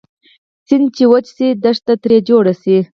سیند چې وچ شي دښته تري جوړه شي